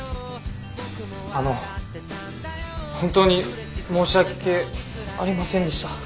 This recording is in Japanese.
あの本当に申し訳ありませんでした。